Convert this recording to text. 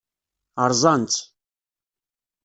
Rẓan-tt.